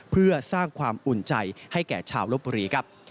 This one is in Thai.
เพื่อสร้างความอุ่นใจให้แก่ชาวลบบุรีครับ